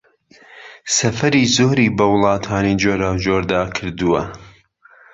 سەفەری زۆری بە وڵاتانی جۆراوجۆردا کردووە